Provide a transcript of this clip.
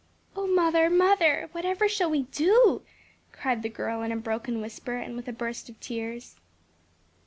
"O mother, mother, whatever shall we do?" cried the girl in a broken whisper, and with a burst of tears.